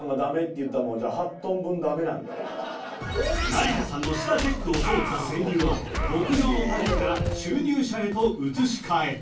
［成田さんの舌チェックを通った生乳は牧場のタンクから集乳車へと移し替え］